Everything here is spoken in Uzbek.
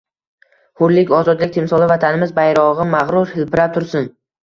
Hurlik, ozodlik timsoli – Vatanimiz bayrog‘i mag‘rur hilpirab tursin